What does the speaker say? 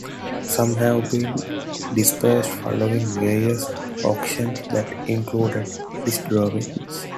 Some have been dispersed following various auctions that included his drawings.